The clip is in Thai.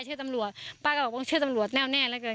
ชื่อตำรวจป้าก็บอกว่าเชื่อตำรวจแน่วแน่แล้วเกิน